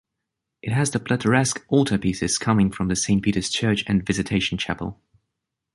It has the plateresque altar pieces coming from the St Peter’s Church and Visitation Chapel.